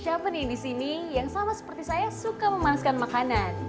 siapa nih di sini yang sama seperti saya suka memanaskan makanan